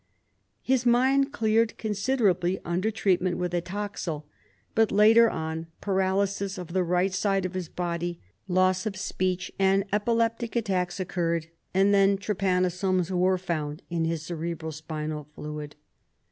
His mind cleared considerably under treatment with atoxyl, but, later on, paralysis of the right side of his l^ody, loss of speech, and epileptic attacks occurred, and then trypanosomes were found in his cerebro spinal fluid.